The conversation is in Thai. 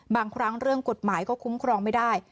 บางครั้งเรื่องกฎหมายก็คุ้มครองไม่ได้